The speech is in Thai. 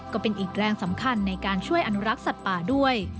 ก็เป็นอีกแรงสำคัญในการช่วยอนุรักษ์สัตว์ป่าด้วย